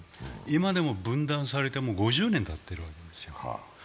今でも分断されて、もう５０年たってるわけですよ。